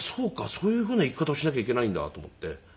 そういうふうな生き方をしなきゃいけないんだと思って。